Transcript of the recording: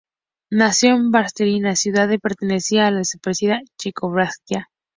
Nació en Bratislava, ciudad que pertenecía a la desaparecida Checoslovaquia.